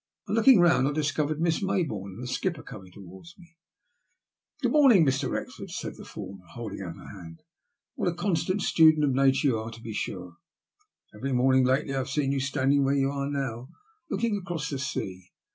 On looking round I discovered Miss Mayboume and the skipper coming towards me. *' Good morning, Mr. Wrexford," said the former, holding out her hand. What a constant student of nature you are, to be sure. Every morning lately I have seen you standing where you are now, looking across the sea.